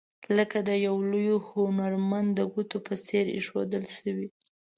لکه د یو لوی هنرمند د ګوتو په څیر ایښودل شوي.